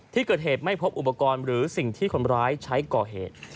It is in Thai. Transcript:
ที่เกิดเหตุไม่พบอุปกรณ์หรือสิ่งที่คนร้ายใช้ก่อเหตุ